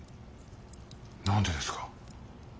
何でですか？